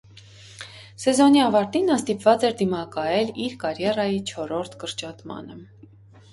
Սեզոնի ավարտին նա ստիպված էր դիմակայել իր կարիերայի չորրորդ կրճատմանը։